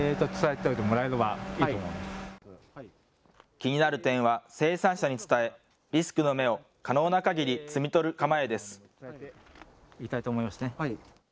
気になる点は生産者に伝え、リスクの芽を可能なかぎり摘み取る構えです。